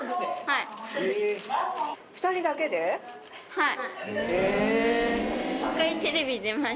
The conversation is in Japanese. はい。